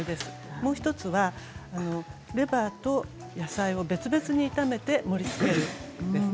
もう１つはレバーと野菜を別々に炒めて盛りつけるんですね。